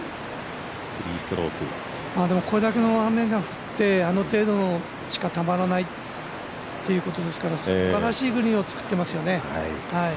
これだけの雨が降ってあの程度しか、たまらないっていうことですから、すばらしいグリーンを作ってますね。